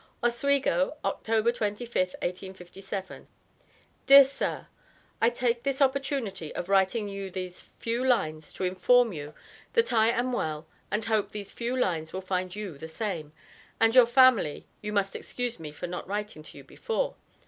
OSWEGO, Oct 25th, 1857. DEAR SIR: I take this opportunity of writing you these few lines to inform you that I am well and hope these few lines will find you the same (and your family you must excuse me for not writing to you before.